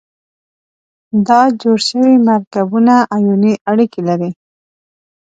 دا جوړ شوي مرکبونه آیوني اړیکې لري.